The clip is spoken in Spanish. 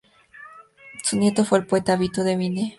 Su nieto fue el poeta Avito de Vienne.